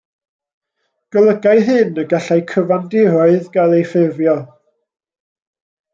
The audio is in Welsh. Golygai hyn y gallai cyfandiroedd gael eu ffurfio.